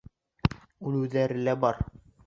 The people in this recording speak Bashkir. Үлеүҙәре лә бар.